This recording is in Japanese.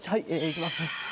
いきます。